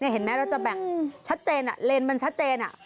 เห็นไหมเราจะแบ่งเลนส์มันชัดเจนอะ